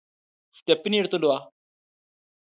stepney എടുത്തോണ്ട് വാ